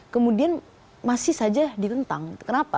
kemudian masih saja ditentang kenapa